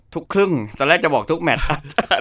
ทุกครึ่งตอนแรกจะบอกทุกแมทครับ